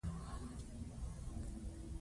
زویه! پیسو سره درته د درد ګولۍ هم درلیږم.